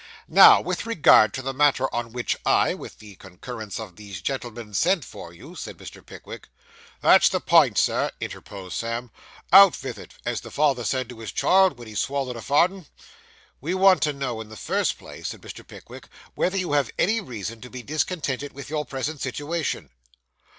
'Now with regard to the matter on which I, with the concurrence of these gentlemen, sent for you,' said Mr. Pickwick. 'That's the pint, sir,' interposed Sam; 'out vith it, as the father said to his child, when he swallowed a farden.' 'We want to know, in the first place,' said Mr. Pickwick, 'whether you have any reason to be discontented with your present situation.